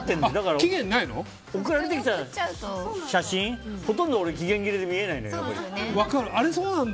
送られてきた写真ほとんど期限切れで俺そうなんだ。